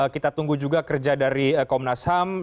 kita tunggu juga kerja dari komnas ham